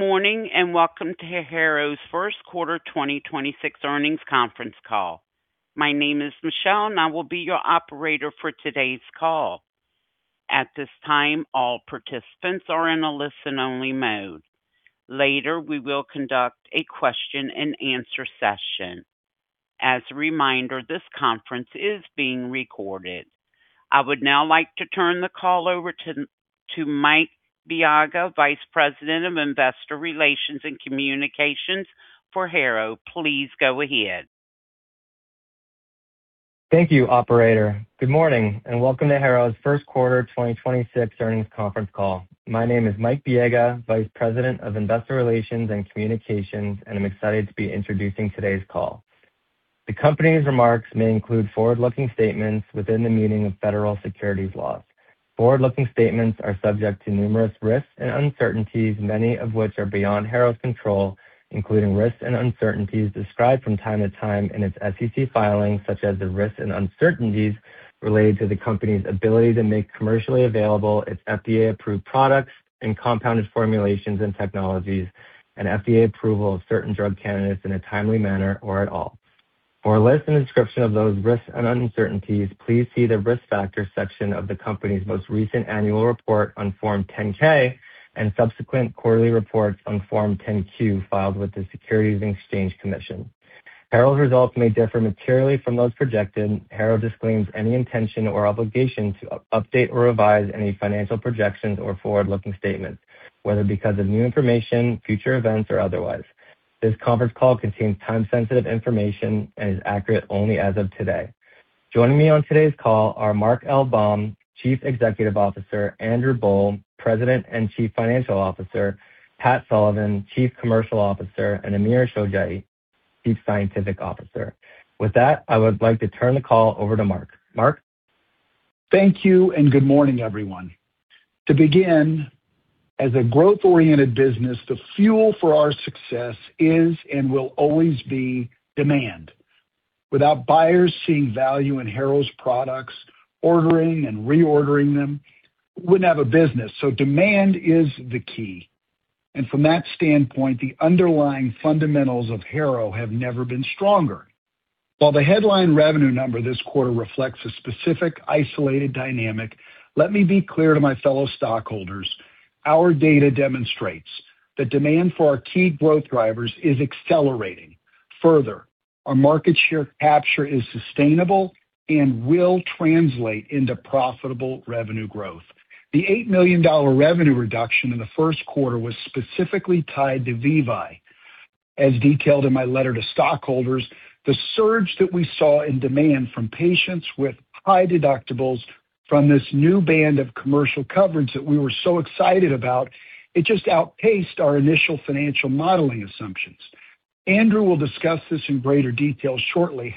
Morning, and welcome to Harrow's First Quarter 2026 Earnings Conference Call. My name is Michelle, and I will be your operator for today's call. At this time, all participants are in a listen-only mode. Later, we will conduct a question-and-answer session. As a reminder, this conference is being recorded. I would now like to turn the call over to Mike Biega, Vice President of Investor Relations and Communications for Harrow. Please go ahead. Thank you, operator. Good morning, and welcome to Harrow's First Quarter 2026 Earnings Conference Call. My name is Mike Biega, Vice President of Investor Relations and Communications, and I'm excited to be introducing today's call. The company's remarks may include forward-looking statements within the meaning of federal securities laws. Forward-looking statements are subject to numerous risks, and uncertainties. Many of which are beyond Harrow's control. Including risks, and uncertainties described from time to time in its SEC filings. Such as the risks, and uncertainties related to the company's ability. To make commercially available its FDA-approved products, and compounded formulations, and technologies. And FDA approval of certain drug candidates in a timely manner or at all. For a list, and description of those risks, and uncertainties. Please see the Risk Factors section of the company's most recent annual report on Form 10-K. And subsequent quarterly reports on Form 10-Q filed with the Securities and Exchange Commission. Harrow's results may differ materially from those projected. Harrow disclaims any intention or obligation. To update or revise any financial projections or forward-looking statements. Whether because of new information, future events, or otherwise. This conference call contains time-sensitive information, and is accurate only as of today. Joining me on today's call are Mark L. Baum, Chief Executive Officer, Andrew Boll, President and Chief Financial Officer. Pat Sullivan, Chief Commercial Officer, and Amir Shojaei, Chief Scientific Officer. I would like to turn the call over to Mark. Mark? Thank you and good morning, everyone. To begin, as a growth-oriented business, the fuel for our success is and will always be demand. Without buyers seeing value in Harrow's products, ordering and reordering them, we wouldn't have a business. Demand is the key. From that standpoint, the underlying fundamentals of Harrow have never been stronger. While the headline revenue number this quarter reflects a specific isolated dynamic. Let me be clear to my fellow stockholders, our data demonstrates that demand for our key growth drivers is accelerating. Further, our market share capture is sustainable, and will translate into profitable revenue growth. The $8 million revenue reduction in the first quarter was specifically tied to VEVYE, as detailed in my letter to stockholders. The surge that we saw in demand from patients. With high deductibles from this new band of commercial coverage, that we were so excited about. It just outpaced our initial financial modeling assumptions. Andrew will discuss this in greater detail shortly.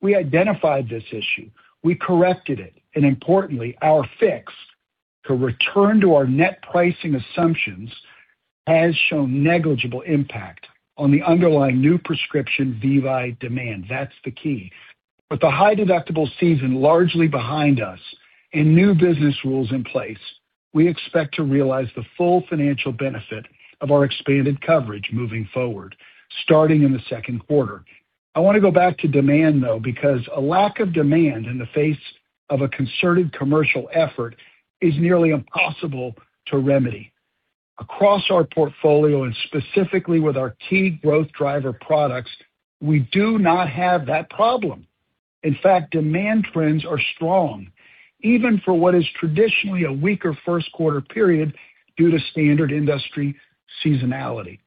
We identified this issue. We corrected it, and importantly, our fix to return to our net pricing assumptions. Has shown negligible impact on the underlying new prescription VEVYE demand. That's the key. With the high deductible season largely behind us, and new business rules in place. We expect to realize the full financial benefit of our expanded coverage moving forward, starting in the second quarter. I want to go back to demand, though, because a lack of demand in the face. Of a concerted commercial effort is nearly impossible to remedy. Across our portfolio, and specifically with our key growth driver products. We do not have that problem. In fact, demand trends are strong, even for what is traditionally a weaker first quarter period. Due to standard industry seasonality.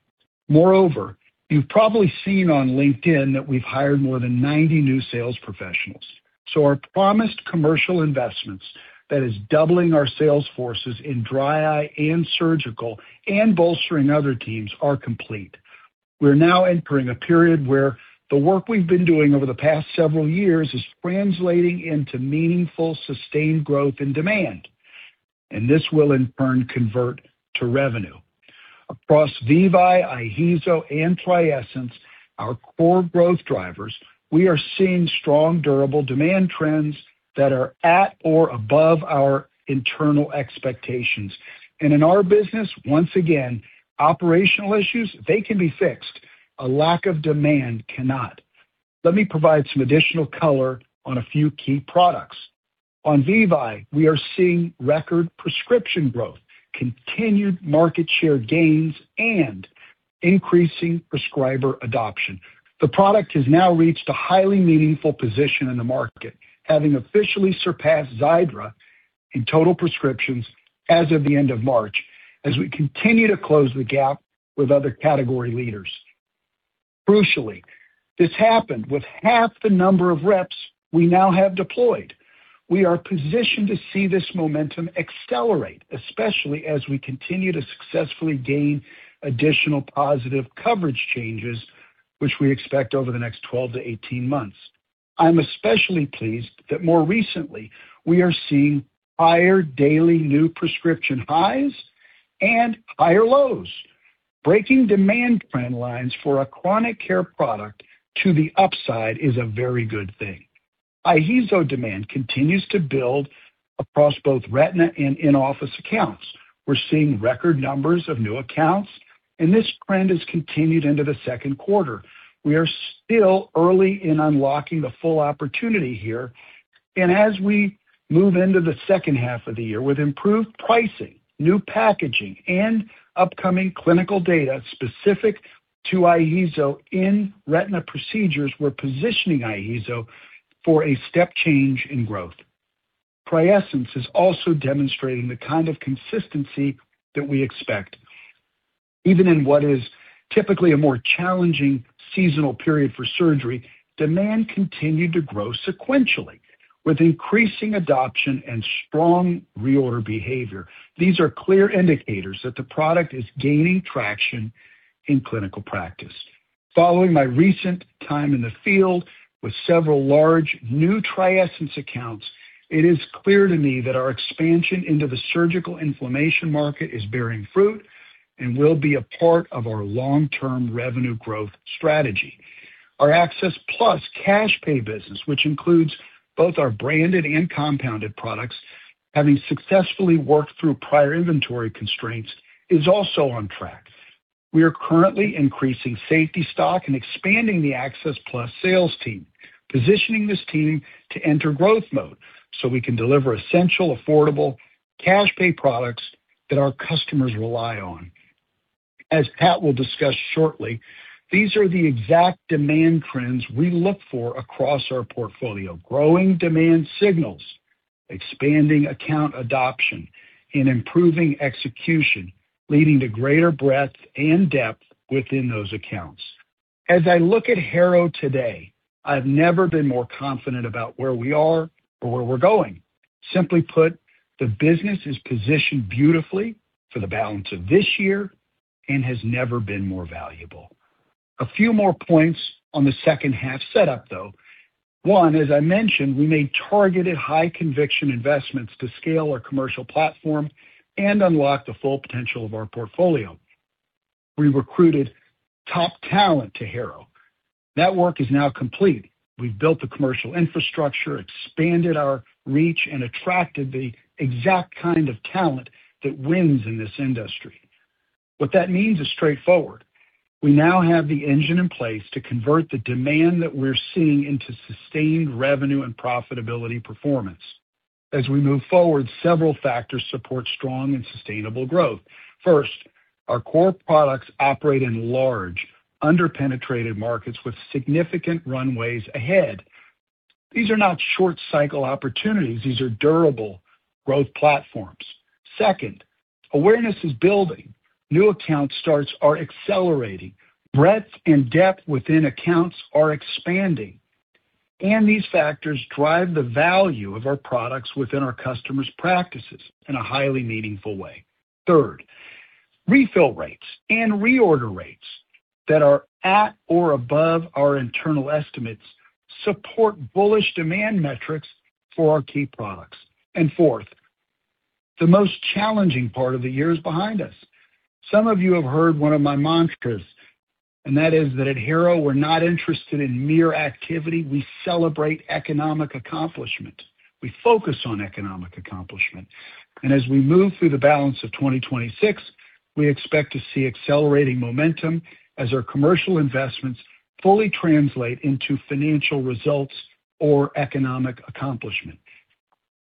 You've probably seen on LinkedIn that we've hired more than 90 new sales professionals. Our promised commercial investments, that is doubling our sales forces in dry eye, and surgical. And bolstering other teams are complete. We're now entering a period where the work we've been doing over the past several years. Is translating into meaningful, sustained growth, and demand. And this will in turn convert to revenue. Across VEVYE, IHEEZO, and TRIESENCE, our core growth drivers. We are seeing strong, durable demand trends that are at or above our internal expectations. In our business, once again, operational issues, they can be fixed. A lack of demand cannot. Let me provide some additional color on a few key products. On VEVYE, we are seeing record prescription growth. Continued market share gains, and increasing prescriber adoption. The product has now reached a highly meaningful position in the market. Having officially surpassed Xiidra, in total prescriptions as of the end of March. As we continue to close the gap with other category leaders. Crucially, this happened with half the number of reps we now have deployed. We are positioned to see this momentum accelerate. Especially, as we continue to successfully gain additional positive coverage changes. Which we expect over the next 12 to 18 months. I'm especially pleased, that more recently we are seeing higher daily new prescription highs, and higher lows. Breaking demand trend lines for a chronic care product. To the upside is a very good thing. IHEEZO demand continues to build across both retina, and in-office accounts. We're seeing record numbers of new accounts. This trend has continued into the second quarter. We are still early in unlocking the full opportunity here. As we move into the second half of the year. With improved pricing, new packaging, and upcoming clinical data. Specific to IHEEZO in retina procedures, we're positioning IHEEZO for a step change in growth. TRIESENCE is also demonstrating the kind of consistency that we expect. Even in what is typically a more challenging seasonal period for surgery. Demand continued to grow sequentially with increasing adoption, and strong reorder behavior. These are clear indicators that the product is gaining traction in clinical practice. Following my recent time in the field, with several large new TRIESENCE accounts. It is clear to me that our expansion into the surgical inflammation market is bearing fruit. And will be a part of our long-term revenue growth strategy. Our Access+ cash pay business, which includes both our branded, and compounded products. Having successfully worked through prior inventory constraints, is also on track. We are currently increasing safety stock, and expanding the Access+ sales team. Positioning this team to enter growth mode, so we can deliver essential. Affordable cash pay products that our customers rely on. As Pat will discuss shortly, these are the exact demand trends. We look for across our portfolio. Growing demand signals, expanding account adoption, and improving execution. Leading to greater breadth, and depth within those accounts. As I look at Harrow today, I've never been more confident, about where we are or where we're going. Simply put, the business is positioned beautifully for the balance of this year, and has never been more valuable. A few more points on the second half setup, though. One, as I mentioned, we made targeted high conviction investments to scale our commercial platform. And unlock the full potential of our portfolio. We recruited top talent to Harrow. That work is now complete. We've built the commercial infrastructure, expanded our reach. And attracted the exact kind of talent that wins in this industry. What that means is straightforward. We now have the engine in place to convert the demand. That we're seeing into sustained revenue, and profitability performance. As we move forward, several factors support strong, and sustainable growth. First, our core products operate in large, under-penetrated markets with significant runways ahead. These are not short-cycle opportunities. These are durable growth platforms. Second, awareness is building. New account starts are accelerating. Breadth and depth within accounts are expanding. And these factors drive the value of our products. Within our customers' practices in a highly meaningful way. Third, refill rates, and reorder rates. That are at or above our internal estimates, support bullish demand metrics for our key products. Fourth, the most challenging part of the year is behind us. Some of you have heard one of my mantras. And that is that at Harrow, we're not interested in mere activity. We celebrate economic accomplishment. We focus on economic accomplishment. As we move through the balance of 2026. We expect to see accelerating momentum, as our commercial investments. Fully translate into financial results or economic accomplishment.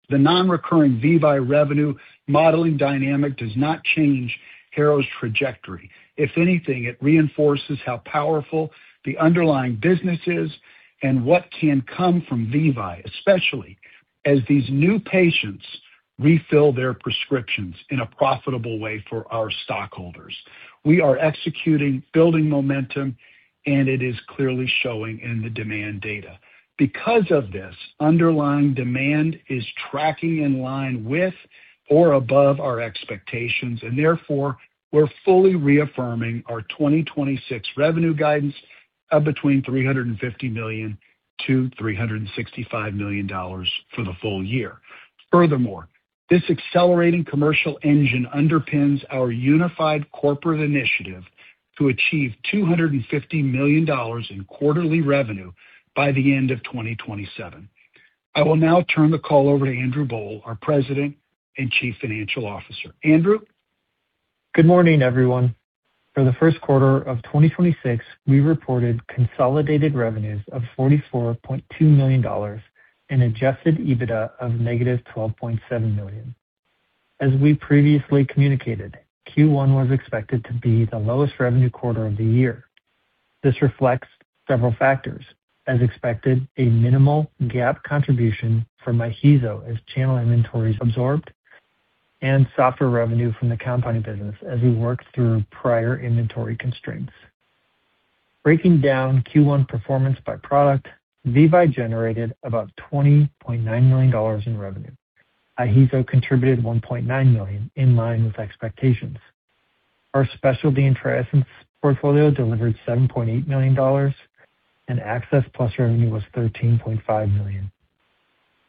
The non-recurring VEVYE revenue modeling dynamic does not change Harrow's trajectory. If anything, it reinforces how powerful the underlying business is, and what can come from VEVYE. Especially, as these new patients refill their prescriptions in a profitable way for our stockholders. We are executing, building momentum, and it is clearly showing in the demand data. Because of this, underlying demand is tracking in line with or above our expectations. Therefore, we're fully reaffirming our 2026 revenue guidance, of between $350 million-$365 million for the full year. This accelerating commercial engine underpins our unified corporate initiative. To achieve $250 million in quarterly revenue by the end of 2027. I will now turn the call over to Andrew Boll, our President and Chief Financial Officer. Andrew? Good morning, everyone. For the first quarter of 2026, we reported consolidated revenues of $44.2 million. And Adjusted EBITDA of -$12.7 million. As we previously communicated, Q1 was expected to be the lowest revenue quarter of the year. This reflects several factors. As expected, a minimal GAAP contribution, from IHEEZO as channel inventory is absorbed. And softer revenue from the compounding business, as we work through prior inventory constraints. Breaking down Q1 performance by product, VEVYE generated about $20.9 million in revenue. IHEEZO contributed $1.9 million, in line with expectations. Our specialty TRIESENCE portfolio delivered $7.8 million, and Access+ revenue was $13.5 million.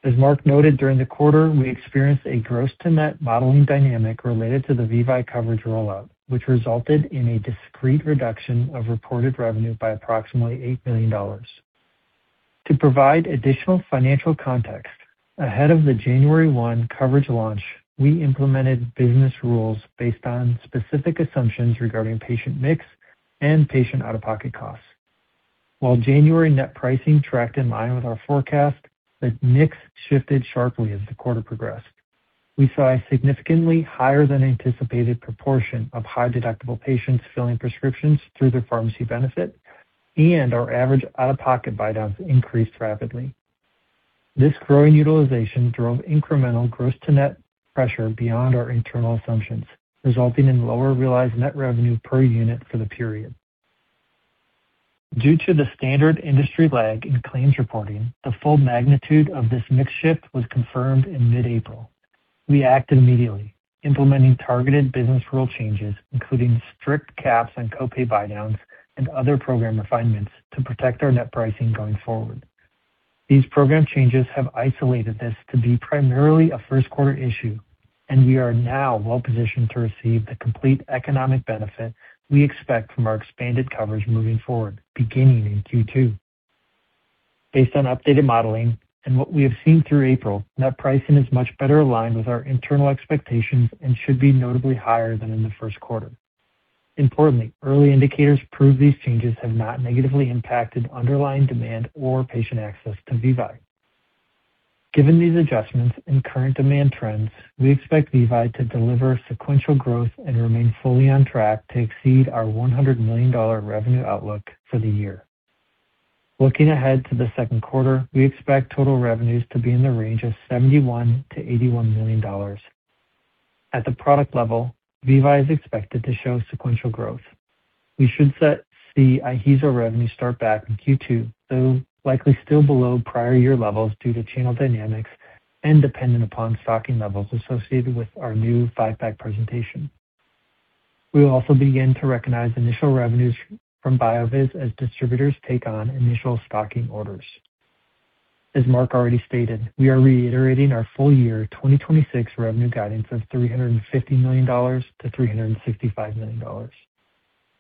As Mark noted, during the quarter, we experienced a gross-to-net modeling dynamic related to the VEVYE coverage rollout. Which resulted in a discrete reduction of reported revenue by approximately $8 million. To provide additional financial context, ahead of the January 1 coverage launch. We implemented business rules based on specific assumptions regarding patient mix, and patient out-of-pocket costs. While January net pricing tracked in line with our forecast. The mix shifted sharply as the quarter progressed. We saw a significantly higher than anticipated proportion of high-deductible patients filling prescriptions. Through their pharmacy benefit, and our average out-of-pocket buydowns increased rapidly. This growing utilization drove incremental gross to net pressure beyond our internal assumptions. Resulting in lower realized net revenue per unit for the period. Due to the standard industry lag in claims reporting. The full magnitude of this mix shift was confirmed in mid-April. We acted immediately, implementing targeted business rule changes. Including strict caps on co-pay buydowns, and other program refinements. To protect our net pricing going forward. These program changes have isolated this to be primarily a first-quarter issue. And we are now well-positioned to receive the complete economic benefit. We expect from our expanded coverage moving forward, beginning in Q2. Based on updated modeling, and what we have seen through April. Net pricing is much better aligned with our internal expectations. And should be notably higher than in the first quarter. Importantly, early indicators prove these changes, have not negatively impacted underlying demand or patient access to VEVYE. Given these adjustments, and current demand trends. We expect VEVYE to deliver sequential growth, and remain fully on track. To exceed our $100 million revenue outlook for the year. Looking ahead to the second quarter, we expect total revenues to be in the range of $71 million-$81 million. At the product level, VEVYE is expected to show sequential growth. We should set the IHEEZO revenue start back in Q2. Though likely still below prior year levels due to channel dynamics, and dependent upon stocking levels. Associated with our new five-pack presentation. We will also begin to recognize initial revenues from BYOOVIZ, as distributors take on initial stocking orders. As Mark already stated, we are reiterating our full-year 2026 revenue guidance of $350 million-$365 million.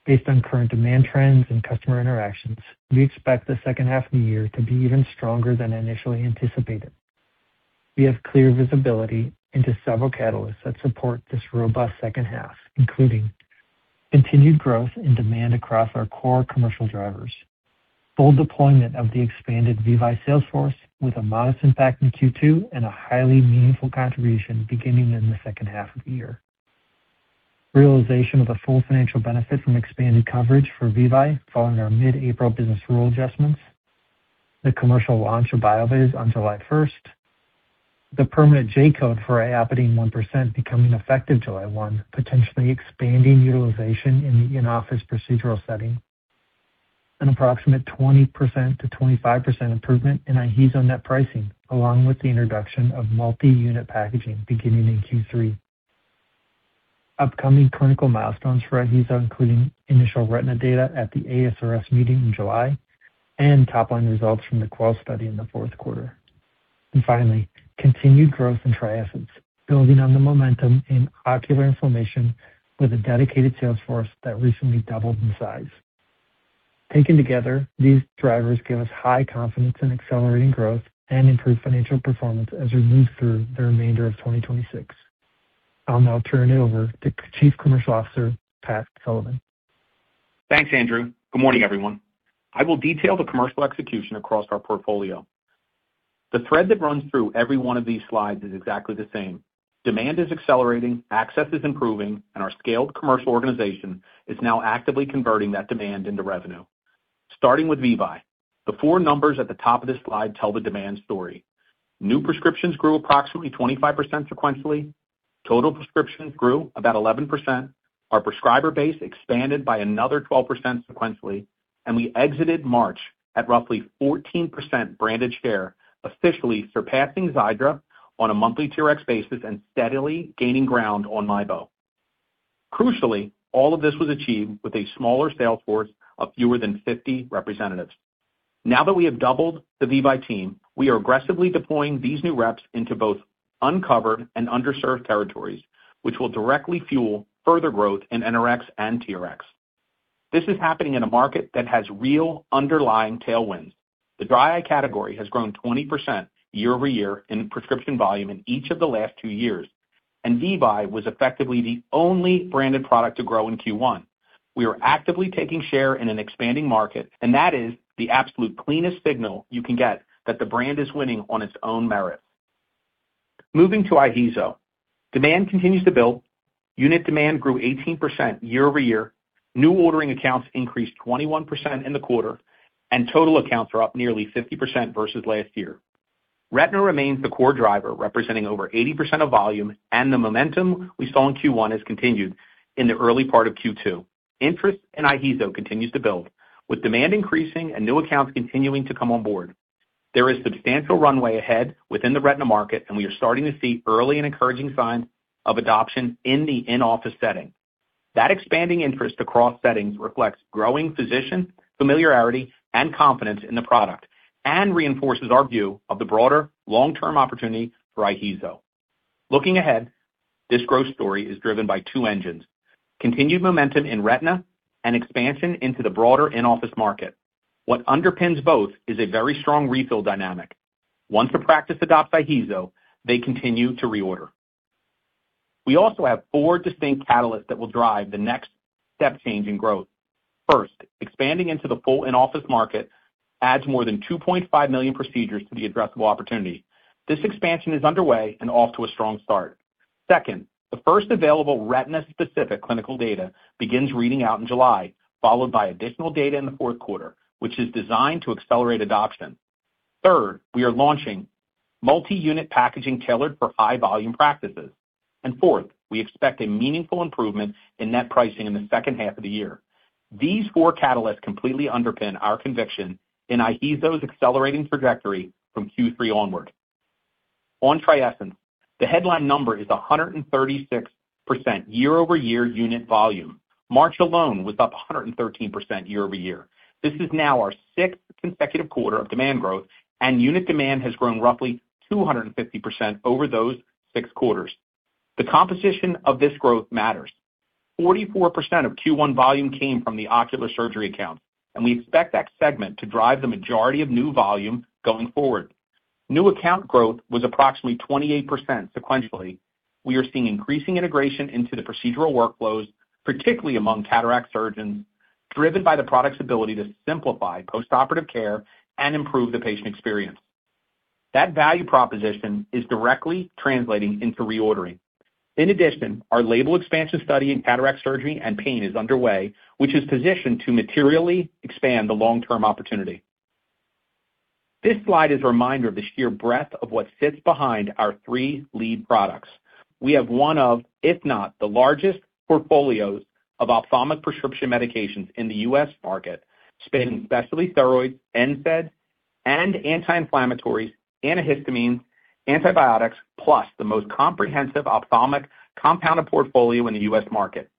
Based on current demand trends, and customer interactions. We expect the second half of the year to be even stronger than initially anticipated. We have clear visibility into several catalysts, that support this robust second half. Including continued growth in demand across our core commercial drivers. Full deployment of the expanded VEVYE sales force with a modest impact in Q2, and a highly meaningful contribution beginning in the second half of the year. Realization of the full financial benefit from expanded coverage for VEVYE. Following our mid-April business rule adjustments. The commercial launch of BYOOVIZ on July first. The permanent J-Codes for IOPIDINE 1% becoming effective July one. Potentially expanding utilization in the in-office procedural setting. An approximate 20%-25% improvement in IHEEZO net pricing. Along with the introduction of multi-unit packaging beginning in Q3. Upcoming clinical milestones for IHEEZO, including initial retina data. At the ASRS Meeting in July, and top-line results from the qual study in the fourth quarter. Finally, continued growth in TRIESENCE, building on the momentum in ocular inflammation. With a dedicated sales force that recently doubled in size. Taken together, these drivers give us high confidence in accelerating growth. And improved financial performance, as we move through the remainder of 2026. I'll now turn it over to Chief Commercial Officer, Pat Sullivan. Thanks, Andrew. Good morning, everyone. I will detail the commercial execution across our portfolio. The thread that runs through every one of these slides is exactly the same. Demand is accelerating, access is improving, and our scaled commercial organization. Is now actively converting that demand into revenue. Starting with VEVYE, the four numbers at the top of this slide tell the demand story. New prescriptions grew approximately 25% sequentially. Total prescriptions grew about 11%, our prescriber base expanded by another 12% sequentially. And we exited March at roughly 14% branded share. Officially surpassing Xiidra on a monthly TRx basis, and steadily gaining ground on MIEBO. Crucially, all of this was achieved with a smaller sales force of fewer than 50 representatives. Now that we have doubled the VEVYE team. We are aggressively deploying these new reps into both uncovered, and underserved territories. Which will directly fuel further growth in NRx, and TRx. This is happening in a market that has real underlying tailwinds. The dry eye category has grown 20% year-over-year, in prescription volume in each of the last two years. And VEVYE was effectively the only branded product to grow in Q1. We're actively taking share in expanding market. And that is the absolute cleanest signal you can get, that the brand is winning on its own Merit. Moving to IHEEZO, demand continues to build. Unit demand grew 18% year-over-year. New ordering accounts increased 21% in the quarter, and total accounts are up nearly 50% versus last year. Retina remains the core driver, representing over 80% of volume. The momentum we saw in Q1 has continued in the early part of Q2. Interest in IHEEZO continues to build. With demand increasing, and new accounts continuing to come on board. There is substantial runway ahead within the retina market. We are starting to see early, and encouraging signs of adoption in the in-office setting. That expanding interest across settings reflects growing physician, familiarity, and confidence in the product. And reinforces our view of the broader long-term opportunity for IHEEZO. Looking ahead, this growth story is driven by two engines. Continued momentum in retina, and expansion into the broader in-office market. What underpins both is a very strong refill dynamic. Once a practice adopts IHEEZO, they continue to reorder. We also have four distinct catalysts, that will drive the next step change in growth. First, expanding into the full in-office market. Adds more than $2.5 million procedures to the addressable opportunity. This expansion is underway, and off to a strong start. Second, the first available retina-specific clinical data begins reading out in July. Followed by additional data in the fourth quarter. Which is designed to accelerate adoption. Third, we are launching multi-unit packaging tailored for high-volume practices. Fourth, we expect a meaningful improvement in net pricing in the second half of the year. These four catalysts completely underpin our conviction, in IHEEZO's accelerating trajectory from Q3 onward. On TRIESENCE, the headline number is 136% year-over-year unit volume. March alone was up 113% year-over-year. This is now our sixth consecutive quarter of demand growth, and unit demand has grown roughly 250% over those six quarters. The composition of this growth matters, 44% of Q1 volume came from the ocular surgery account. And we expect that segment to drive the majority of new volume going forward. New account growth was approximately 28% sequentially. We are seeing increasing integration into the procedural workflows. Particularly among cataract surgeons, driven by the product's ability to simplify postoperative care, and improve the patient experience. That value proposition is directly translating into reordering. In addition, our label expansion study in cataract surgery, and pain is underway. Which is positioned to materially expand the long-term opportunity. This slide is a reminder of the sheer breadth of what sits behind our three lead products. We have one of, if not the largest portfolios of ophthalmic prescription medications in the U.S. market. Spanning specialty steroids, NSAIDs, and anti-inflammatories, antihistamines, antibiotics. Plus the most comprehensive ophthalmic compounded portfolio in the U.S. market.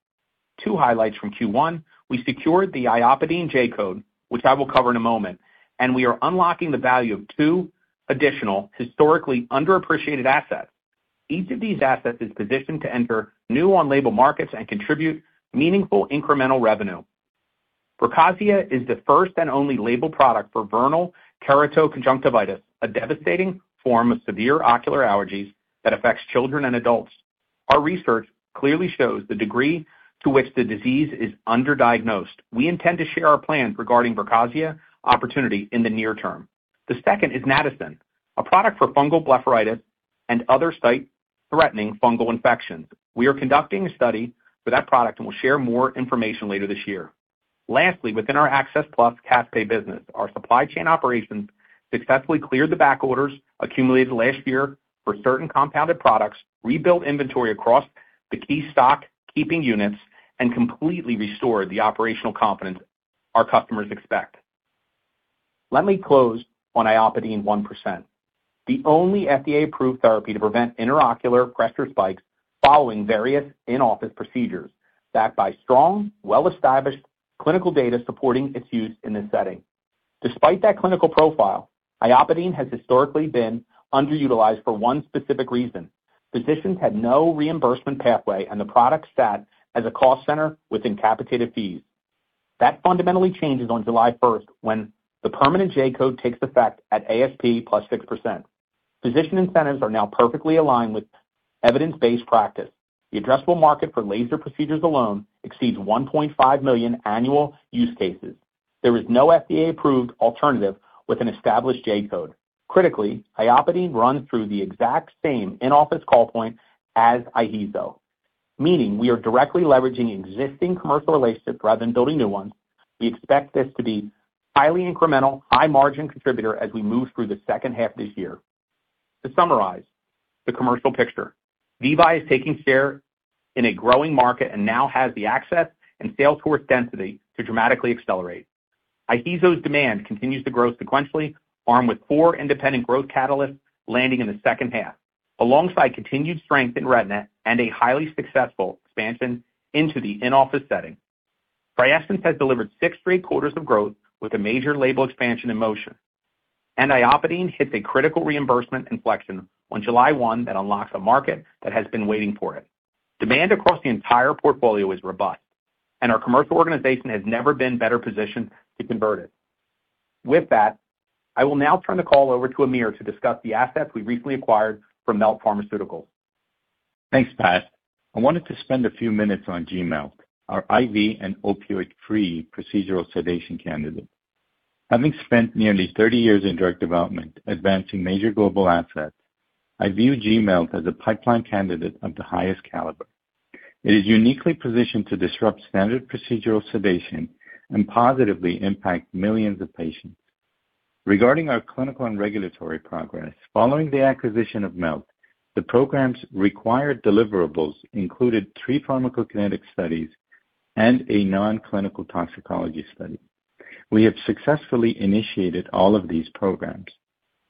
Two highlights from Q1. We secured the IOPIDINE J-Codes, which I will cover in a moment. And we are unlocking the value of two additional historically underappreciated assets. Each of these assets is positioned to enter new on-label markets, and contribute meaningful incremental revenue. Brinzolamide is the first, and only label product for Vernal Keratoconjunctivitis. A devastating form of severe ocular allergies that affects children, and adults. Our research clearly shows the degree to which the disease is underdiagnosed. We intend to share our plans regarding brinzolamide opportunity in the near term. The second is NATACYN, a product for fungal blepharitis, and other sight-threatening fungal infections. We are conducting a study for that product, and will share more information later this year. Lastly, within our Access+ cash pay business, our supply chain operations. Successfully cleared the backorders accumulated last year. For certain compounded products, rebuilt inventory across the key stock. Keeping units, and completely restored the operational confidence our customers expect. Let me close on IOPIDINE 1%. The only FDA-approved therapy, to prevent intraocular pressure spikes. Following various in-office procedures, backed by strong, well-established clinical data supporting its use in this setting. Despite that clinical profile, IOPIDINE has historically been underutilized for one specific reason. Physicians had no reimbursement pathway, and the product sat as a cost center within capitated fees. That fundamentally changes on July first when the permanent J-Codes takes effect at ASP +6%. Physician incentives are now perfectly aligned with evidence-based practice. The addressable market for laser procedures alone exceeds $1.5 million annual use cases. There is no FDA-approved alternative with an established J-Codes. Critically, IOPIDINE runs through the exact same in-office call point as IHEEZO. Meaning we are directly leveraging existing commercial relationships rather than building new ones. We expect this to be highly incremental, high margin contributor. As we move through the second half of this year. To summarize the commercial picture, VEVYE is taking share in a growing market, and now has the access. And sales force density to dramatically accelerate. IHEEZO's demand continues to grow sequentially, armed with four independent growth catalysts landing in the second half. Alongside continued strength in retina, and a highly successful expansion into the in-office setting. TRIESENCE has delivered six straight quarters of growth. With a major label expansion in motion. IOPIDINE hits a critical reimbursement inflection on July 1, that unlocks a market that has been waiting for it. Demand across the entire portfolio is robust, and our commercial organization has never been better positioned to convert it. With that, I will now turn the call over to Amir. To discuss the assets we recently acquired from Melt Pharmaceuticals. Thanks, Pat. I wanted to spend a few minutes on MELT-300, our IV- and opioid-free procedural sedation candidate. Having spent nearly 30 years in drug development advancing major global assets. I view MELT-300 as a pipeline candidate of the highest caliber. It is uniquely positioned to disrupt standard procedural sedation, and positively impact millions of patients. Regarding our clinical, and regulatory progress. Following the acquisition of Melt, the program's required deliverables included three pharmacokinetic studies, and a non-clinical toxicology study. We have successfully initiated all of these programs.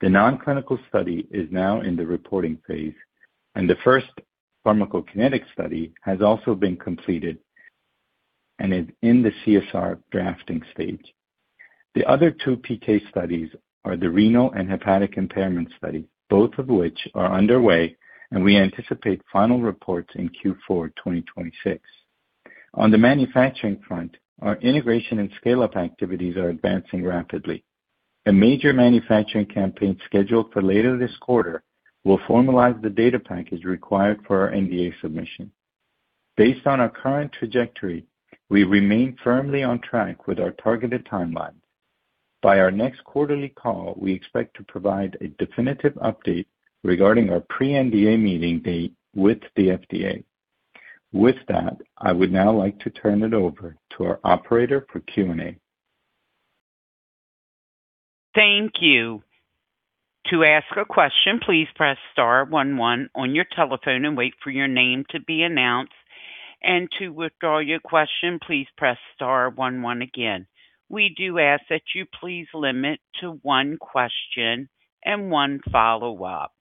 The non-clinical study is now in the reporting phase, and the first pharmacokinetic study has also been completed. And is in the CSR drafting stage. The other two PK studies are the renal, and hepatic impairment study. Both of which are underway, and we anticipate final reports in Q4 2026. On the manufacturing front, our integration, and scale-up activities are advancing rapidly. A major manufacturing campaign scheduled for later this quarter. Will formalize the data package required for our NDA submission. Based on our current trajectory, we remain firmly on track with our targeted timelines. By our next quarterly call, we expect to provide a definitive update, regarding our pre-NDA meeting date with the FDA. With that, I would now like to turn it over to our operator for Q&A. Thank you. To ask a question, please press star one one on your telephone, and wait for your name to be announced. And to withdraw your question, please press star one one again. We do ask that you please limit to one question, and one follow-up.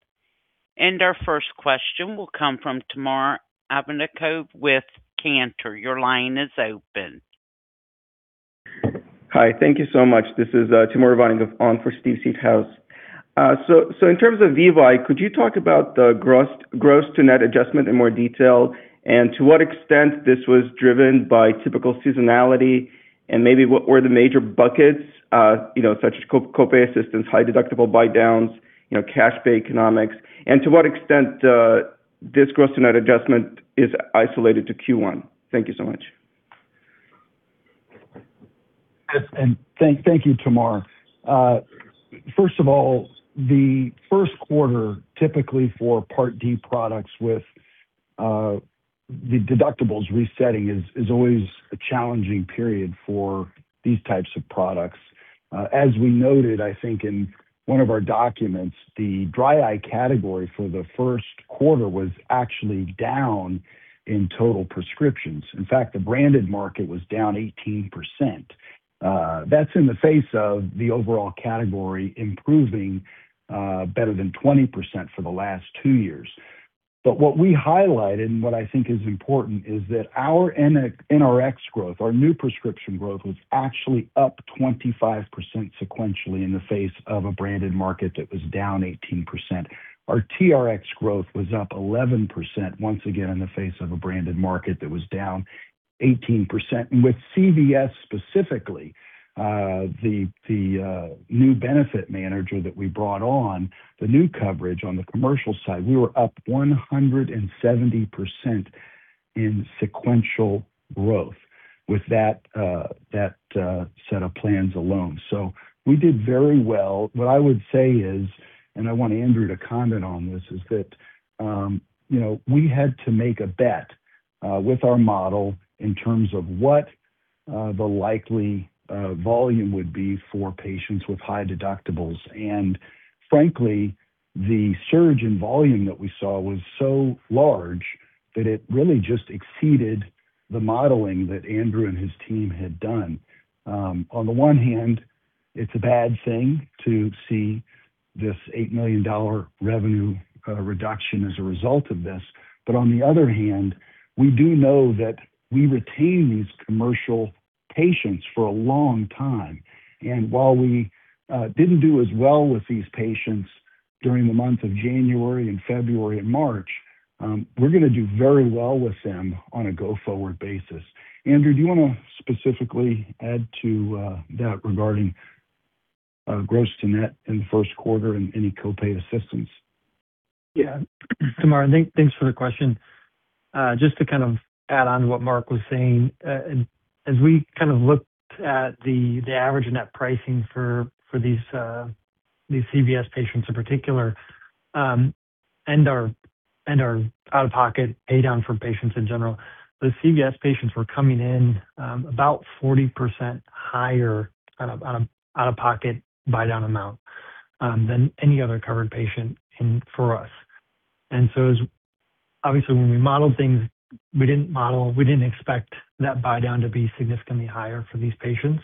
Our first question will come from Tamar Abernathy with Cantor. Hi. Thank you so much. This is Tamar Abernathy on for Steve Seedhouse. In terms of VEVYE, could you talk about the gross to net adjustment in more detail. And to what extent this was driven by typical seasonality, and maybe what were the major buckets? you know, such as co-pay assistance, high deductible buydowns. You know, cash pay economics, and to what extent this gross-to-net adjustment is isolated to Q1? Thank you so much. Thank you, Tamar. First of all, the first quarter, typically for Part D products. With the deductibles resetting is always a challenging period for these types of products. As we noted, I think, in one of our documents, the dry eye category for the first quarter. Was actually down in total prescriptions. In fact, the branded market was down 18%. That's in the face of the overall category improving, better than 20% for the last two years. What we highlight, and what I think is important. Is that our NRx growth, our new prescription growth, was actually up 25%. Sequentially in the face of a branded market that was down 18%. Our TRx growth was up 11%, once again, in the face of a branded market that was down 18%. With CVS specifically, the new benefit manager that we brought on. The new coverage on the commercial side, we were up 170%. In sequential growth with that set of plans alone. We did very well. What I would say is, I want Andrew to comment on this, is that, you know. We had to make a bet with our model in terms of, what the likely volume would be for patients with high deductibles. Frankly, the surge in volume that we saw was so large. That it really just exceeded the modeling that Andrew, and his team had done. On the one hand, it's a bad thing to see this $8 million revenue reduction as a result of this. On the other hand, we do know that we retain these commercial patients for a long time. While we didn't do as well with these patients during the month of January, and February, and March. We're gonna do very well with them on a go-forward basis. Andrew, do you wanna specifically add to that regarding gross-to-net in the first quarter, and any co-pay assistance? Yeah. Tamar, thanks for the question. Just to kind of add on to what Mark was saying. As we kind of looked at the average net pricing for these CVS patients in particular, and our out-of-pocket pay-down for patients in general. The CVS patients were coming in about 40% higher on a out-of-pocket buydown amount. Than any other covered patient for us. As obviously, when we modeled things, we didn't expect that buydown to be significantly higher for these patients.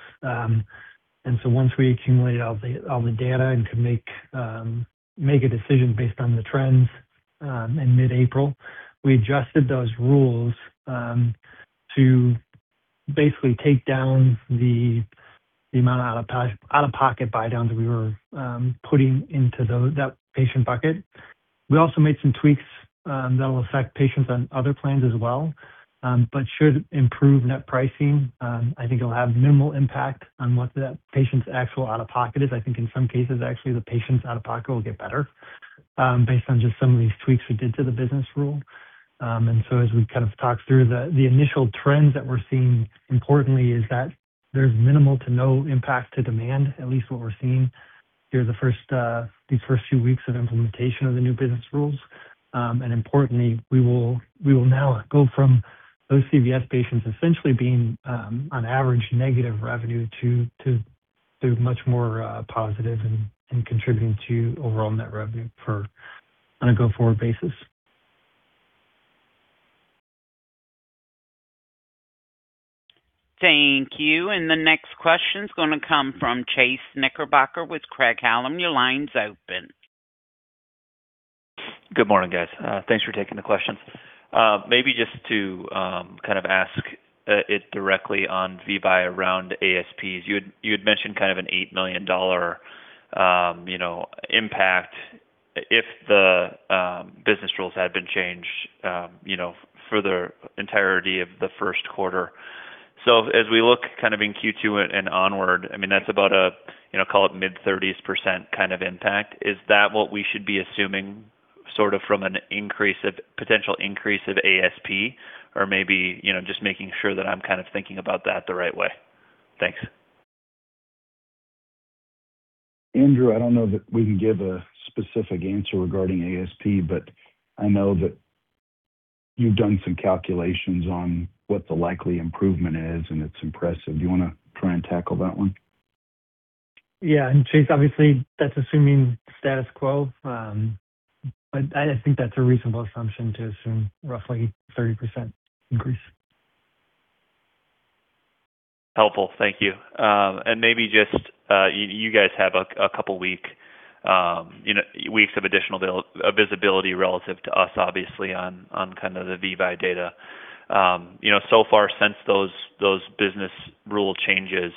Once we accumulated all the data, and could make a decision based on the trends in mid-April. We adjusted those rules to basically take down the amount out-of-pocket buydowns. We were putting into that patient bucket. We also made some tweaks, that will affect patients on other plans as well. But should improve net pricing. I think it'll have minimal impact on what the patient's actual out-of-pocket is. I think in some cases, actually, the patient's out-of-pocket will get better. Based on just some of these tweaks we did to the business rule. As we kind of talk through the initial trends that we're seeing. Importantly, is that there's minimal to no impact to demand. At least what we're seeing through the first, these first few weeks of implementation of the new business rules. Importantly, we will now go from those CVS patients essentially being on average, negative revenue. To much more positive, and contributing to overall net revenue for on a go-forward basis. Thank you. And the next question's gonna come from Chase Knickerbocker with Craig-Hallum. Your line's open. Good morning, guys. Thanks for taking the questions. Maybe just to kind of ask it directly on VEVYE around ASPs. You had mentioned kind of an $8 million, you know, impact. If the business rules had been changed, you know, for the entirety of the first quarter. As we look kind of in Q2, and onward. I mean, that's about a, you know, call it mid-30s% kind of impact. Is that what we should be assuming, sort of from a potential increase of ASP? Or maybe, you know, just making sure that. I'm kind of thinking about that the right way. Thanks. Andrew, I don't know that we can give a specific answer regarding ASP. But I know that you've done some calculations on. What the likely improvement is, and it's impressive. Do you wanna try and tackle that one? Yeah. Chase, obviously, that's assuming status quo. I think that's a reasonable assumption to assume roughly 30% increase. Helpful. Thank you. Maybe just you guys have a couple weeks of additional bill. Visibility relative to us, obviously, on kind of the VEVYE data. So far since, those business rule changes,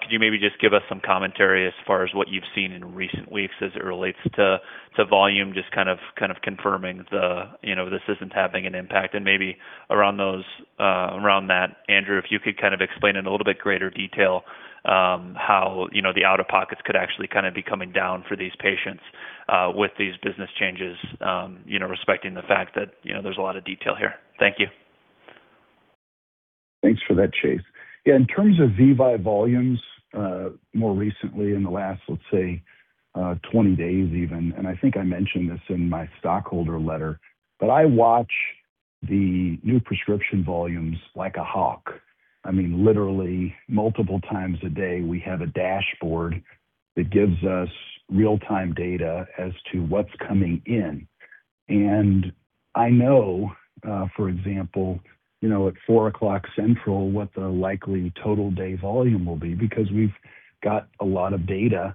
could you maybe just give us some commenta, ry. As far as what you've seen in recent weeks as it relates to volume, just kind of confirming this isn't having an impact? Maybe around those, around that, Andrew, if you could kind of explain in a little bit greater detail. How the out-of-pockets could actually kind of be coming down for these patients? With these business changes, respecting the fact that there's a lot of detail here. Thank you. Thanks for that, Chase. Yeah, in terms of VEVYE volumes, more recently in the last, let's say, 20 days even. I think I mentioned this in my stockholder letter. But I watch the new prescription volumes like a hawk. I mean, literally multiple times a day, we have a dashboard that gives us real-time data as to what's coming in. I know, for example, you know, at 4:00 o'clock Central, what the likely total day volume will be. Because we've got a lot of data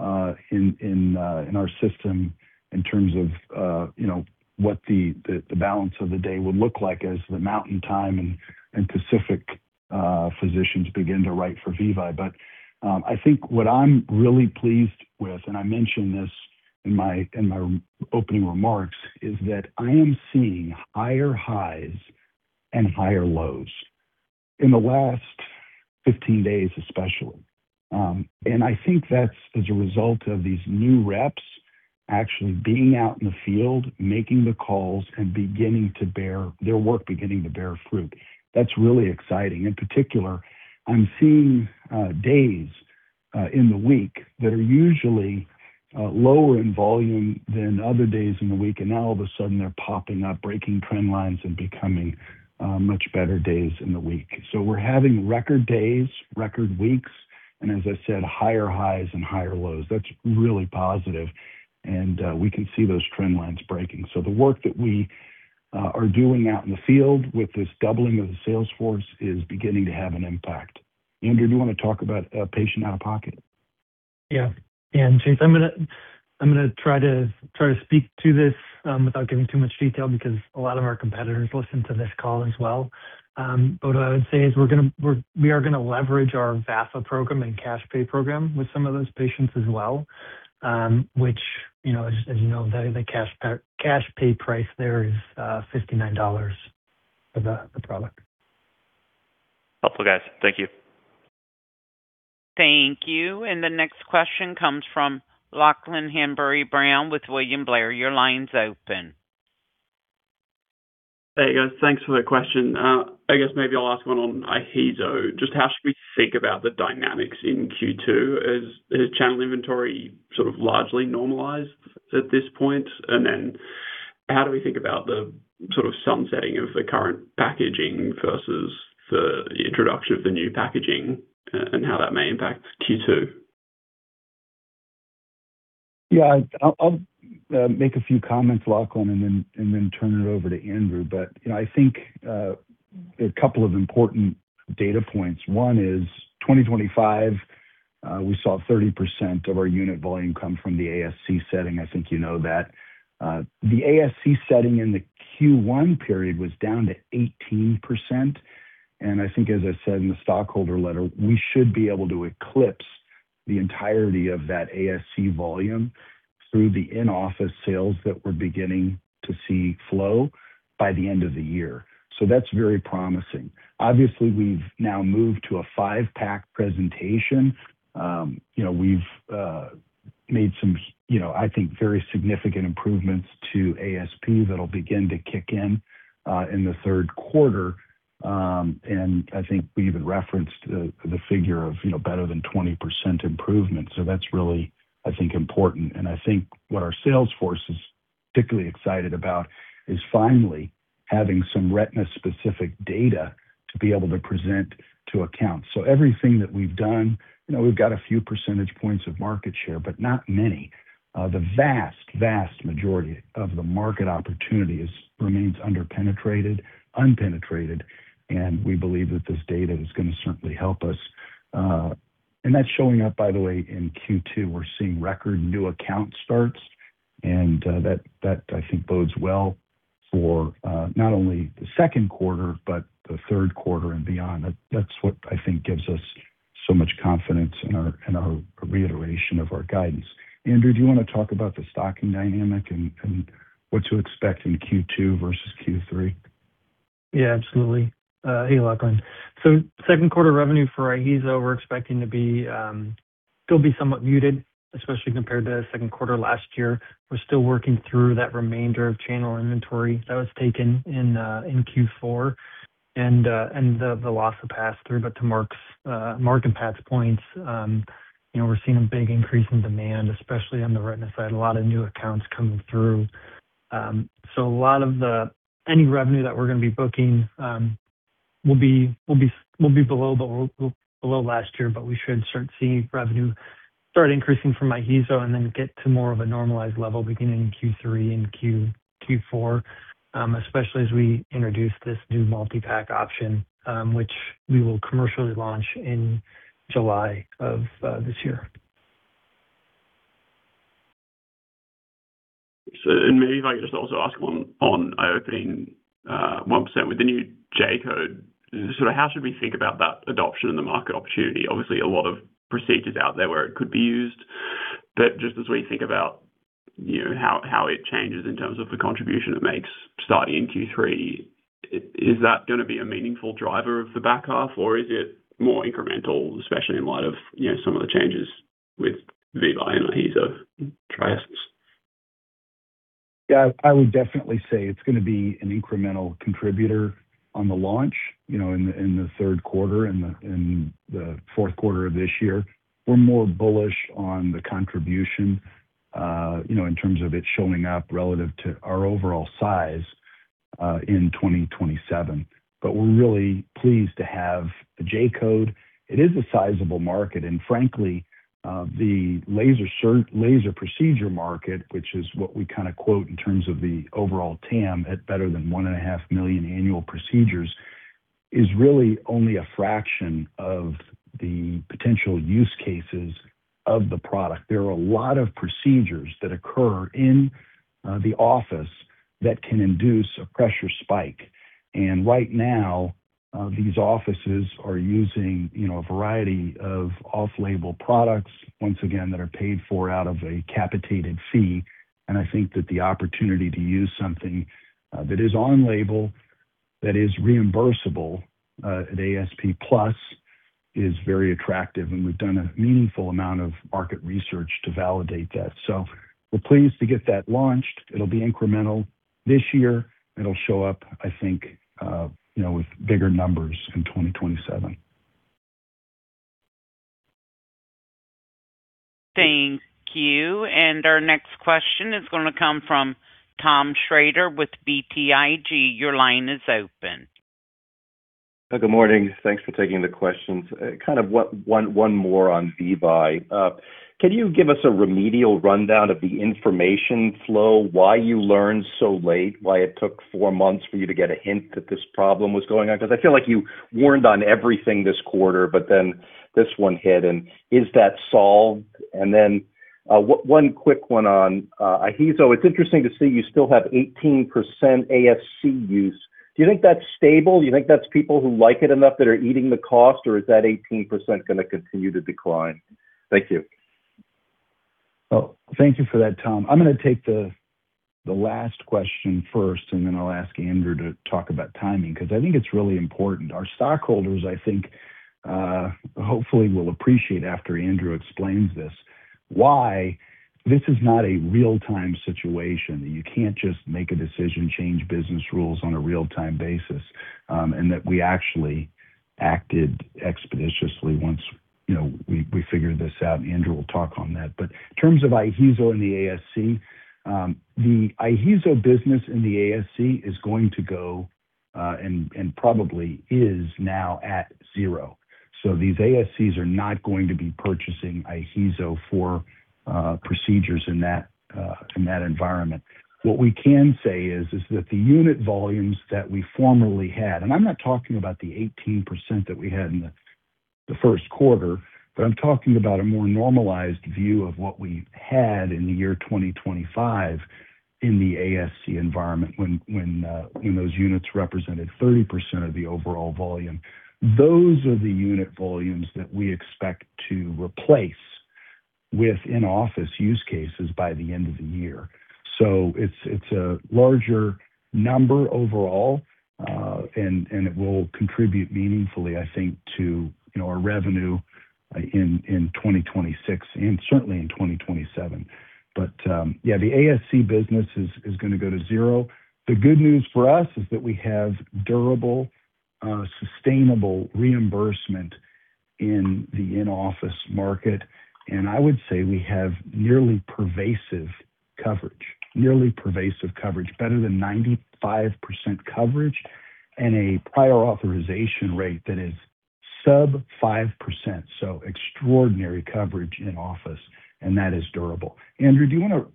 in our system in terms of, you know. What the balance of the day will look like as the Mountain Time, and Pacific physicians begin to write for VEVYE. I think what I'm really pleased with, and I mentioned this in my opening remarks. Is that I am seeing higher highs, and higher lows in the last 15 days, especially. I think that's as a result of these new reps. Actually being out in the field, making the calls, and their work beginning to bear fruit. That's really exciting. In particular, I'm seeing days in the week. That are usually lower in volume than other days in the week, now all of a sudden. They're popping up, breaking trend lines, and becoming much better days in the week. We're having record days, record weeks, and as I said, higher highs, and higher lows. That's really positive, we can see those trend lines breaking. The work that we are doing out in the field. With this doubling of the sales force is beginning to have an impact. Andrew, do you wanna talk about patient out-of-pocket? Yeah. Chase, I'm gonna try to speak to this without giving too much detail. Because a lot of our competitors listen to this call as well. What I would say is we are gonna leverage our VAFA program, and cash pay program with some of those patients as well. Which, you know, as you know, the cash pay price there is $59 for the product. Helpful, guys. Thank you. Thank you. The next question comes from Lachlan Hanbury-Brown with William Blair. Your line's open. Hey, guys. Thanks for the question. I guess maybe I'll ask one on IHEEZO. Just how should we think about the dynamics in Q2? Is channel inventory sort of largely normalized at this point? How do we think about the sort of sunsetting of the current packaging versus the introduction of the new packaging? And how that may impact Q2? Yeah. I'll make a few comments, Lachlan, and then turn it over to Andrew. You know, I think a couple of important data points. One is 2025, we saw 30% of our unit volume come from the ASC setting. I think you know that. The ASC setting in the Q1 period was down to 18%. I think as I said in the stockholder letter, we should be able to eclipse. The entirety of that ASC volume through the in-office sales. That we're beginning to see flow by the end of the year. That's very promising. Obviously, we've now moved to a five-pack presentation. You know, we've made some, you know, I think very significant improvements, to ASP that'll begin to kick in in the third quarter. I think we even referenced the figure of, you know, better than 20% improvement. That's really, I think, important. I think what our sales force is particularly excited about. Is finally having some retina-specific data, to be able to present to accounts. Everything that we've done, you know, we've got a few percentage points of market share, but not many. The vast majority of the market opportunity remains under-penetrated, unpenetrated. We believe that this data is going to certainly help us. That's showing up, by the way, in Q2. We're seeing record new account starts, and that I think bodes well. For not only the second quarter, but the third quarter, and beyond. That's what I think gives us so much confidence in our reiteration of our guidance. Andrew, do you wanna talk about the stocking dynamic, and what to expect in Q2 versus Q3? Yeah, absolutely. Hey, Lachlan. Second quarter revenue for IHEEZO, we're expecting to be still be somewhat muted. Especially compared to second quarter last year. We're still working through that remainder of channel inventory that was taken in Q4, and the loss of pass-through. To Mark's, Mark and Pat's points, you know, we're seeing a big increase in demand, especially on the retina side. A lot of new accounts coming through. So a lot of that, any revenue that we're gonna be booking will be below last year. But we should start seeing revenue increasing from my IHEEZO, and then get to more of a normalized level beginning in Q3 and Q4. Especially as we introduce this new multi-pack option. Which we will commercially launch in July of this year. Maybe if I could just also ask one on IOPIDINE 1% with the new J-Codes. Sort of how should we think about that adoption, and the market opportunity? Obviously, a lot of procedures out there where it could be used? But just as we think about, you know, how it changes in terms of the contribution it makes starting in Q3? Is that gonna be a meaningful driver of the back half, or is it more incremental, especially in light of, you know, some of the changes with VEVYE and IHEEZO trials? Yeah, I would definitely say it's gonna be an incremental contributor on the launch. You know, in the third quarter, and the fourth quarter of this year. We're more bullish on the contribution, you know, in terms of it showing up relative to our overall size, in 2027. We're really pleased to have a J-Codes. It is a sizable market. Frankly, the laser procedure market, which is what we kinda quote in terms of the overall TAM. At better than 1.5 million annual procedures, is really only a fraction of the potential use cases of the product. There are a lot of procedures that occur in, on the office. That can induce a pressure spike. And right now, these offices are using, you know, a variety of off-label products, once again, that are paid for out of a capitated fee. I think that the opportunity to use something that is on label. That is reimbursable, at ASP Plus, is very attractive. And we've done a meaningful amount of market research to validate that. We're pleased to get that launched. It'll be incremental this year. It'll show up, I think, you know, with bigger numbers in 2027. Thank you. Our next question is gonna come from Tom Shrader with BTIG. Your line is open. Good morning. Thanks for taking the questions. Kind of one more on VEVYE. Can you give us a remedial rundown of the information flow? Why you learned so late? Why it took four months for you to get a hint that this problem was going on? I feel like you warned on everything this quarter, but then this one hit. Is that solved? Then, one quick one on IHEEZO. It's interesting to see you still have 18% ASC use. Do you think that's stable? Do you think that's people who like it enough, that are eating the cost, or is that 18% gonna continue to decline? Thank you. Thank you for that, Tom. I'm gonna take the last question first, and then I'll ask Andrew Boll to talk about timing. Cause I think it's really important. Our stockholders, I think, hopefully will appreciate after Andrew Boll explains this. Why this is not a real-time situation. You can't just make a decision, change business rules on a real-time basis. And that we actually acted expeditiously once, you know, we figured this out, and Andrew Boll will talk on that. In terms of IHEEZO, and the ASC. The IHEEZO business in the ASC is going to go, and probably is now at zero. These ASCs are not going to be purchasing IHEEZO for procedures in that environment. What we can say is that the unit volumes that we formerly had. And I'm not talking about the 18%, that we had in the first quarter. But I'm talking about a more normalized view of what we had in the year 2025. In the ASC environment when those units represented 30% of the overall volume. Those are the unit volumes that we expect to replace, with in-office use cases by the end of the year. It's a larger number overall, and it will contribute meaningfully. I think, to, you know, our revenue in 2026, and certainly in 2027. Yeah, the ASC business is gonna go to zero. The good news for us is that we have durable, sustainable reimbursement in the in-office market. I would say we have nearly pervasive coverage. Nearly pervasive coverage, better than 95% coverage, and a prior authorization rate that is sub-5%. Extraordinary coverage in office, and that is durable. Andrew, do you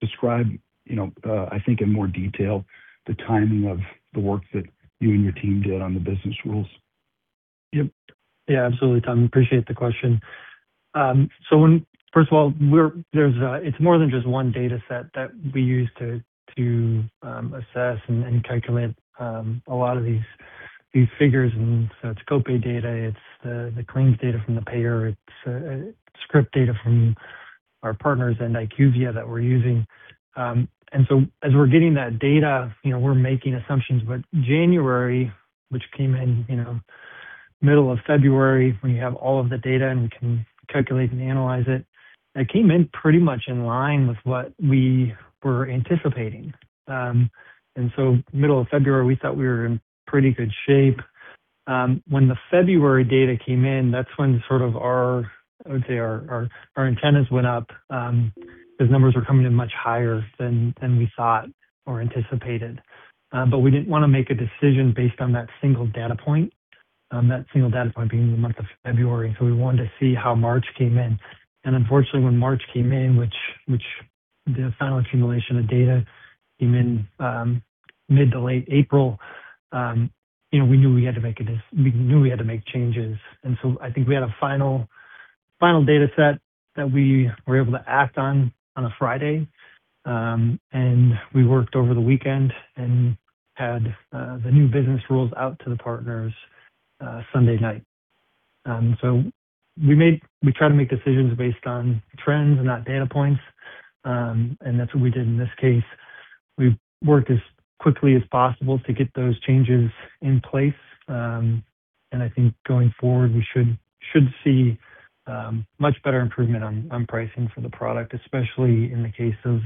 describe, you know, I think in more detail the timing of the work that you, and your team did on the business rules? Yep. Yeah, absolutely, Tom. Appreciate the question. First of all, it's more than just one data set. That we use to assess, and calculate a lot of these figures. It's co-pay data, it's the claims data from the payer. It's script data from our partners, and IQVIA that we're using. As we're getting that data, you know, we're making assumptions. January, which came in, you know, middle of February. When you have all of the data, and we can calculate, and analyze it. That came in pretty much in line with what we were anticipating. Middle of February, we thought we were in pretty good shape. When the February data came in, that's when sort of our antennas went up. Those numbers were coming in much higher, than we thought or anticipated. We didn't wanna make a decision based on that single data point. That single data point being the month of February. We wanted to see how March came in. Unfortunately, when March came in, which the final accumulation of data came in, mid to late April, you know, we knew we had to make changes. I think we had a final data set that we were able to act on on a Friday. We worked over the weekend, and had the new business rules out to the partners, Sunday night. We try to make decisions based on trends, and not data points. That's what we did in this case. We worked as quickly as possible to get those changes in place. I think going forward, we should see much better improvement on pricing for the product. Especially in the case of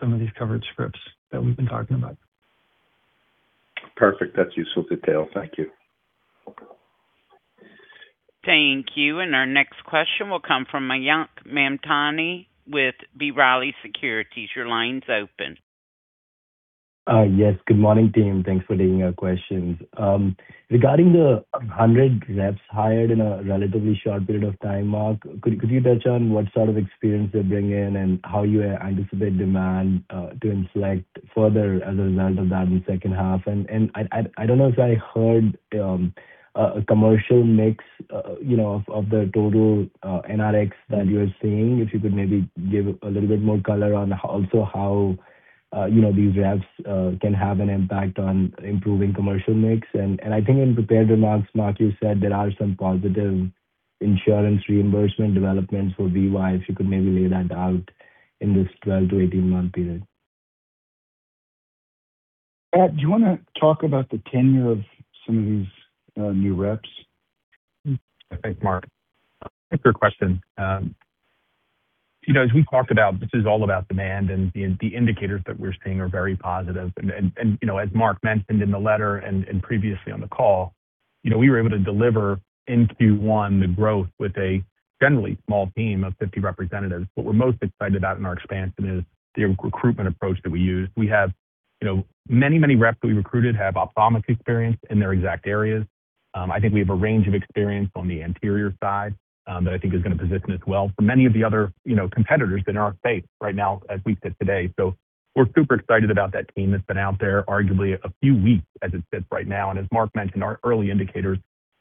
some of these covered scripts, that we've been talking about. Perfect. That's useful detail. Thank you. Thank you. Our next question will come from Mayank Mamtani with B. Riley Securities. Your line's open. Yes. Good morning, team. Thanks for taking our questions. Regarding the 100 reps hired in a relatively short period of time. Mark, could you touch on what sort of experience they bring in? And how you anticipate demand to inflate further as a result of that in second half? I don't know if I heard a commercial mix, you know, of the total NRx that you're seeing. If you could maybe give a little bit more color on also how, you know, these reps can have an impact on improving commercial mix? I think in prepared remarks, Mark, you said there are some positive insurance reimbursement developments for VEVYE. If you could maybe lay that out in this 12-18 month period. Pat, do you wanna talk about the tenure of some of these new reps? Thanks, Mark. Thanks for your question. You know, as we talked about, this is all about demand. The indicators that we're seeing are very positive. You know, as Mark mentioned in the letter, and previously on the call. You know, we were able to deliver in Q1 the growth with a generally small team of 50 representatives. What we're most excited about in our expansion, is the recruitment approach that we used. You know, many reps that we recruited have ophthalmic experience in their exact areas. I think we have a range of experience on the anterior side. That I think is gonna position us well for many of the other, you know, competitors in our space right now as we sit today. We're super excited about that team that's been out there arguably. A few weeks as it sits right now. As Mark mentioned, our early indicators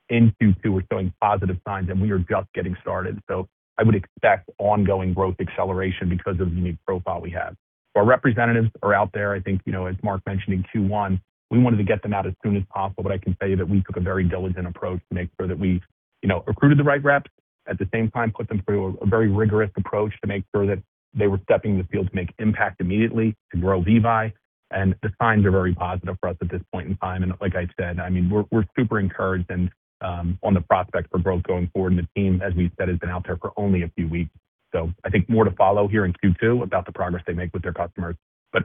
in Q2 are showing positive signs, and we are just getting started. I would expect ongoing growth acceleration because of the new profile we have. Our representatives are out there. I think, you know, as Mark mentioned in Q1, we wanted to get them out as soon as possible. But I can tell you that we took a very diligent approach to make sure that we, you know, recruited the right reps. At the same time, put them through a very rigorous approach. To make sure that they were stepping in the field. To make impact immediately, to grow VEVYE. The signs are very positive for us at this point in time. Like I said, I mean, we're super encouraged, and on the prospects for growth going forward. The team, as we said, has been out there for only a few weeks. I think more to follow here in Q2 about the progress they make with their customers.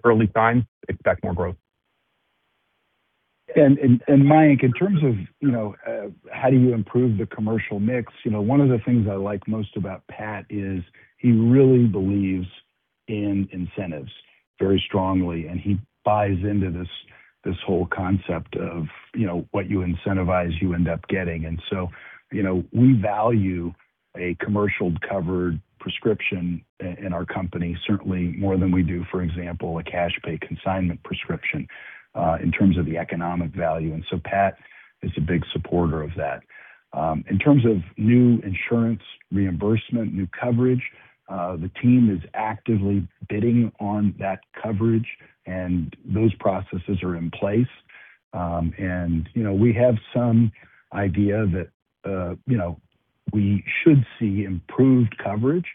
Early signs expect more growth. Mayank, in terms of, you know, how do you improve the commercial mix? You know, one of the things I like most about Pat is. He really believes in incentives very strongly, and he buys into this whole concept of, you know, what you incentivize, you end up getting. You know, we value a commercial-covered prescription in our company. Certainly more than we do, for example, a cash pay consignment prescription, in terms of the economic value. Pat is a big supporter of that. In terms of new insurance reimbursement, new coverage. The team is actively bidding on that coverage, and those processes are in place. You know, we have some idea that, you know, we should see improved coverage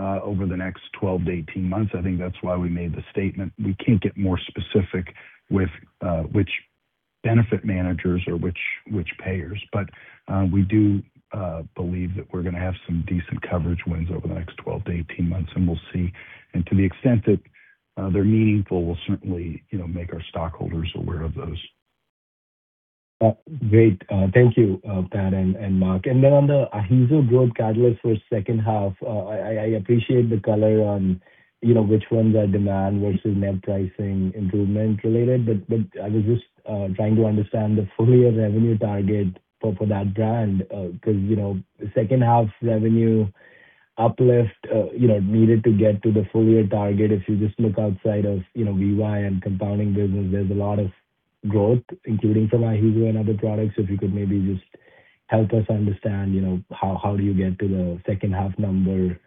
over the next 12 to 18 months. I think that's why we made the statement. We can't get more specific with, which benefit managers or which payers. We do believe that we're gonna have some decent coverage wins over the next 12 to 18 months, and we'll see. To the extent that they're meaningful, we'll certainly, you know, make our stockholders aware of those. Great. Thank you, Pat and Mark. Then on the IHEEZO growth catalyst for second half, I appreciate the color on, you know. Which ones are demand versus net pricing improvement related. But I was just trying to understand the full year revenue target for that brand. 'Cause, you know, second half revenue uplift, you know, needed to get to the full year target. If you just look outside of, you know, VEVYE, and compounding business. There's a lot of growth, including from IHEEZO, and other products. If you could maybe just help us understand, you know, how do you get to the second half number?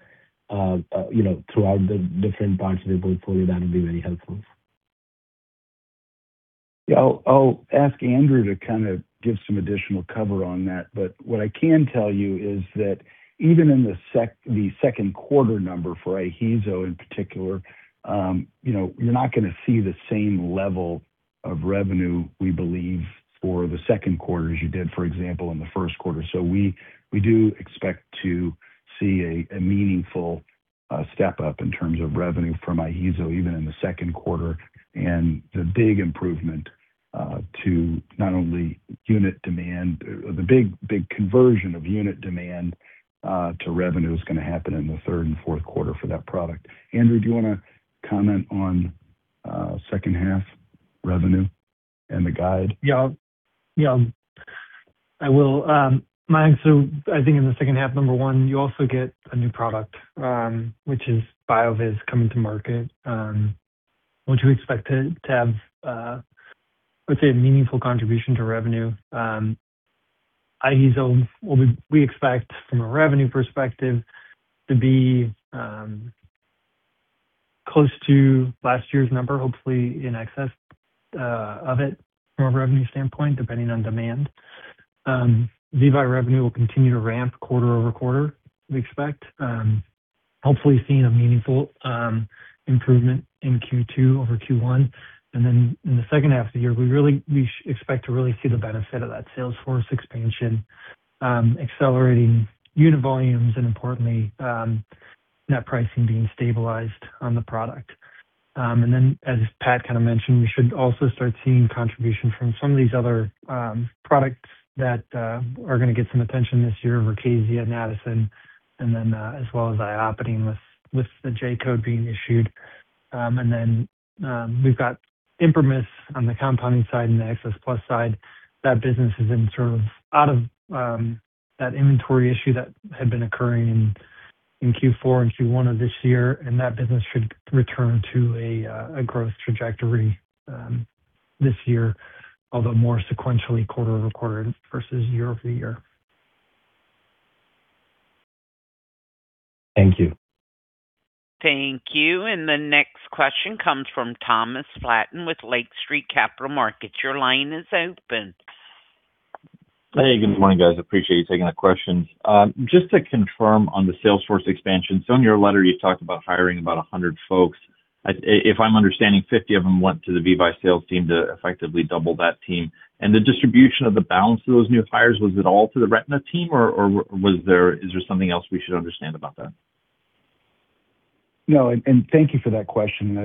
You know, throughout the different parts of the portfolio, that would be very helpful. Yeah. I'll ask Andrew to kind of give some additional cover on that. What I can tell you is that even in the second quarter number for IHEEZO in particular. You know, you're not going to see the same level of revenue. We believe for the second quarter as you did, for example, in the first quarter. We do expect to see a meaningful step up in terms of revenue from IHEEZO, even in the second quarter. The big improvement to not only unit demand, or the big conversion of unit demand. To revenue is going to happen in the third and fourth quarter for that product. Andrew, do you want to comment on second half revenue, and the guide? Yeah. Yeah, I will. My answer, I think in the second half, number one, you also get a new product. Which is BYOOVIZ coming to market, which we expect it to have. I would say, a meaningful contribution to revenue. IHEEZO we expect from a revenue perspective to be close. To last year's number, hopefully in excess of it from a revenue standpoint, depending on demand. VEVYE revenue will continue to ramp quarter-over-quarter, we expect. Hopefully seeing a meaningful improvement in Q2 over Q1. In the second half of the year, we expect to really see the benefit of that sales force expansion. Accelerating unit volumes, and importantly, net pricing being stabilized on the product. As Pat kind of mentioned, we should also start seeing contribution, from some of these other products. That are going to get some attention this year, VERKAZIA, MAXITROL, and then as well as IOPIDINE with the J-Codes being issued. We've got ImprimisRx on the compounding side, and the Access+ side. That business has been sort of out of that inventory issue. That had been occurring in Q4 and Q1 of this year. And that business should return to a growth trajectory this year, although more sequentially quarter-over-quarter versus year-over-year. Thank you. Thank you. The next question comes from Thomas Flaten with Lake Street Capital Markets. Your line is open. Hey, good morning, guys. Appreciate you taking the questions. Just to confirm on the sales force expansion. In your letter, you talked about hiring about 100 folks. If I'm understanding, 50 of them went to the VEVYE sales team to effectively double that team. The distribution of the balance of those new hires, was it all to the retina team? Or, is there something else we should understand about that? Thank you for that question.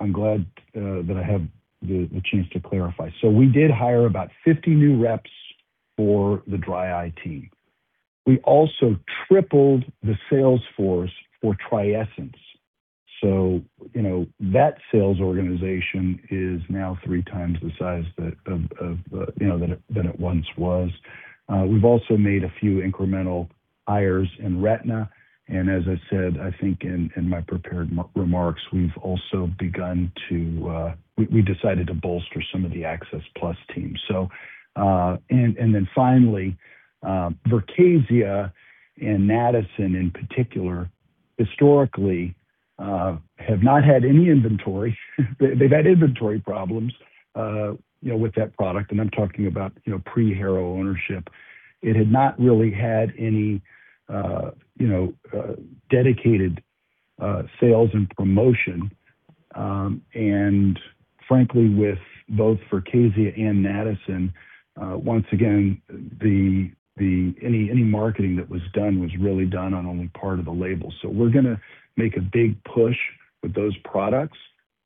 I'm glad that I have the chance to clarify. We did hire about 50 new reps for the dry eye team. We also tripled the sales force for TRIESENCE. You know, that sales organization is now three times the size. That of the you know, than it once was. We've also made a few incremental hires in retina. As I said, I think in my prepared remarks, we've also begun to. We decided to bolster some of the Access+ team. Finally, VERKAZIA and MAXITROL in particular historically have not had any inventory. They've had inventory problems, you know, with that product, and I'm talking about, you know, pre-Harrow ownership. It had not really had any, you know, dedicated sales, and promotion. Frankly, with both VERKAZIA and MAXITROL, once again, the marketing that was done. Was really done on only part of the label. We're going to make a big push with those products.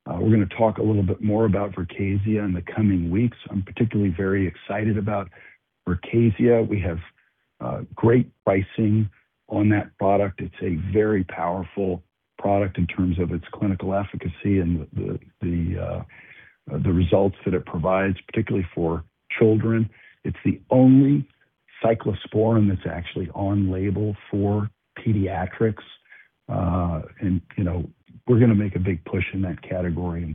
We're going to talk a little bit more about VERKAZIA in the coming weeks. I'm particularly very excited about VERKAZIA. We have great pricing on that product. It's a very powerful product in terms of its clinical efficacy, and the results that it provides, particularly for children. It's the only cyclosporine that's actually on label for pediatrics. You know, we're going to make a big push in that category.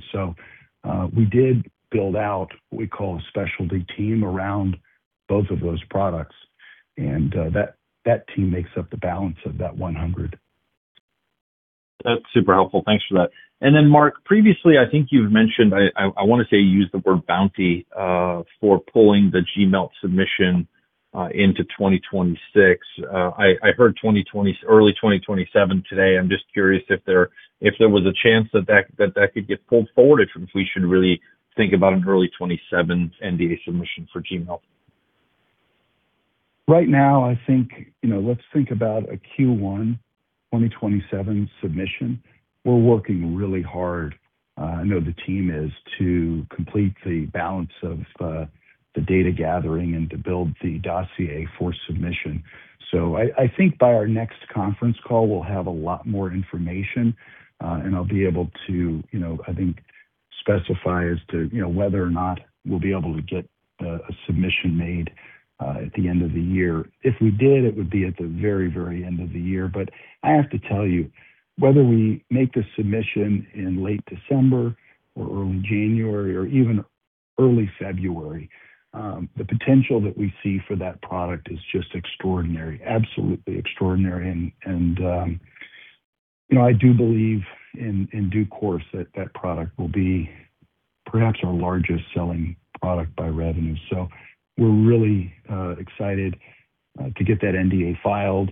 We did build out what we call a specialty team around both of those products. That team makes up the balance of that 100. That's super helpful. Thanks for that. Then Mark, previously, I think you've mentioned. I want to say used the word bounty, for pulling the GMLT submission, into 2026. I heard early 2027 today. I'm just curious if there, if there was a chance that that could get pulled forward. If we should really think about an early 2027 NDA submission for GMLT. Right now, I think, you know, let's think about a Q1 2027 submission. We're working really hard, I know the team is, to complete the balance of the data gathering, and to build the dossier for submission. I think by our next conference call, we'll have a lot more information. And I'll be able to, you know, I think, specify as to, you know, whether or not we'll be able to get a submission made at the end of the year. If we did, it would be at the very, very end of the year. I have to tell you, whether we make the submission in late December or early January or even early February. The potential that we see for that product is just extraordinary, absolutely extraordinary. You know, I do believe in due course. That that product will be perhaps our largest selling product by revenue. We're really excited to get that NDA filed.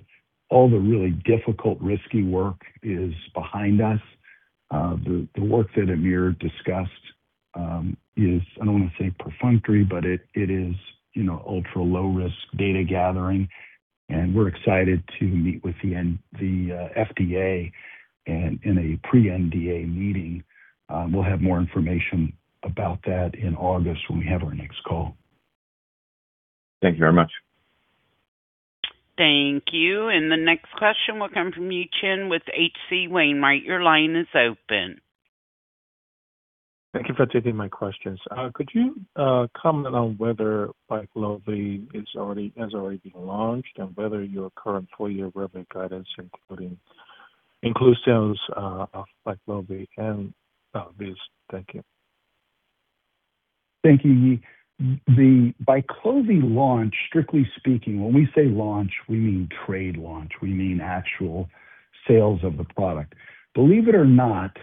All the really difficult, risky work is behind us. The work that Amir discussed is, I don't wanna say perfunctory, but it is, you know, ultra-low risk data gathering. We're excited to meet with the FDA in a pre-NDA meeting. We'll have more information about that in August when we have our next call. Thank you very much. Thank you. The next question will come from Yi Chen with H.C. Wainwright. Your line is open. Thank you for taking my questions. Could you comment on whether BYQLOVI has already been launched? And whether your current full year revenue guidance includes sales of BYQLOVI please? Thank you. Thank you, Yi. The BYQLOVI launch, strictly speaking, when we say launch, we mean trade launch. We mean actual sales of the product. Believe it or not,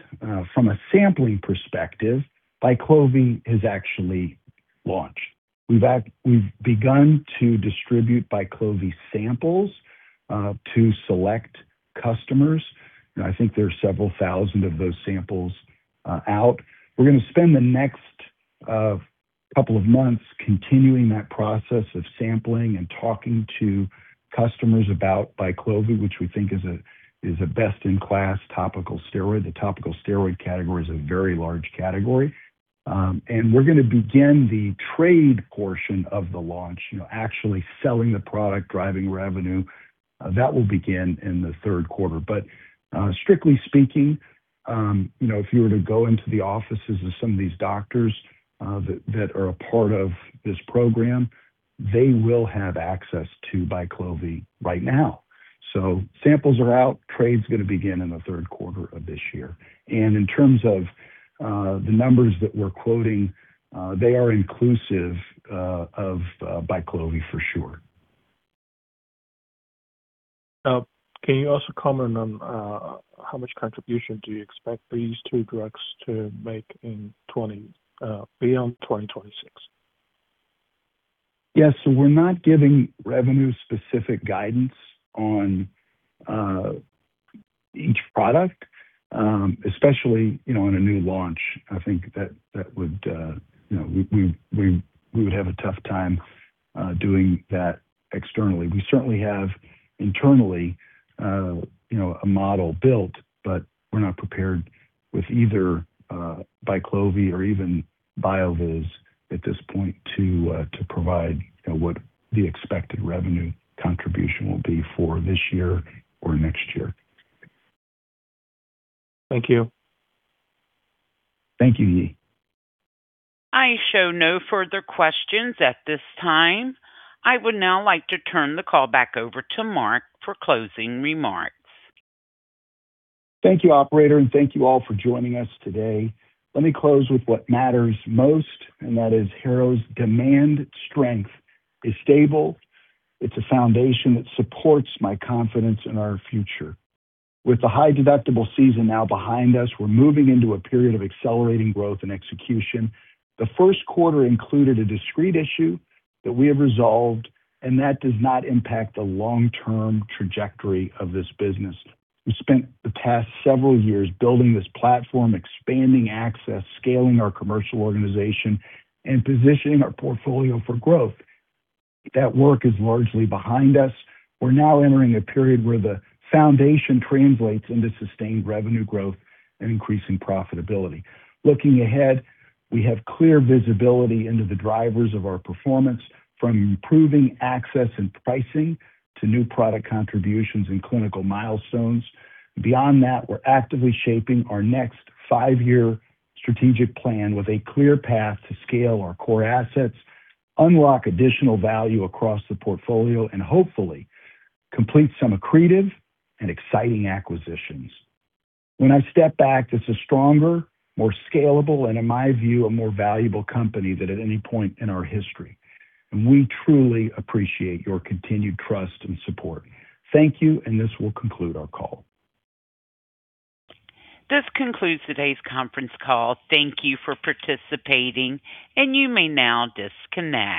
from a sampling perspective, BYQLOVI is actually launched. We've begun to distribute BYQLOVI samples to select customers. You know, I think there are several thousand of those samples out. We're gonna spend the next couple of months. Continuing that process of sampling, and talking to customers about BYQLOVI. Which we think is a best-in-class topical steroid. The topical steroid category is a very large category. We're gonna begin the trade portion of the launch, you know, actually selling the product, driving revenue. That will begin in the third quarter. Strictly speaking, you know, if you were to go into the offices of some of these doctors. That are a part of this program, they will have access to BYQLOVI right now. Samples are out, trade's gonna begin in the third quarter of this year. In terms of the numbers that we're quoting, they are inclusive of BYQLOVI for sure. Can you also comment on how much contribution, do you expect these two drugs to make beyond 2026? Yes. We're not giving revenue-specific guidance on each product. Especially, you know, on a new launch. I think that would, you know, we would have a tough time doing that externally. We certainly have internally, you know, a model built. But we're not prepared with either BYQLOVI or even BYOOVIZ at this point to provide, you know, what the expected revenue contribution will be for this year or next year. Thank you. Thank you, Yi. I show no further questions at this time. I would now like to turn the call back over to Mark for closing remarks. Thank you, operator, and thank you all for joining us today. Let me close with what matters most, and that is Harrow's demand strength is stable. It's a foundation that supports my confidence in our future. With the high deductible season now behind us, we're moving into a period of accelerating growth, and execution. The first quarter included a discrete issue, that we have resolved. And that does not impact the long-term trajectory of this business. We spent the past several years building this platform. Expanding access, scaling our commercial organization, and positioning our portfolio for growth. That work is largely behind us. We're now entering a period, where the foundation translates. Into sustained revenue growth, and increasing profitability. Looking ahead, we have clear visibility into the drivers of our performance. From improving access, and pricing to new product contributions, and clinical milestones. Beyond that, we're actively shaping our next five-year strategic plan. With a clear path to scale our core assets, unlock additional value across the portfolio. And hopefully complete some accretive, and exciting acquisitions. When I step back, this is stronger, more scalable, and in my view, a more valuable company. Than at any point in our history. We truly appreciate your continued trust, and support. Thank you, and this will conclude our call. This concludes today's conference call. Thank you for participating, and you may now disconnect.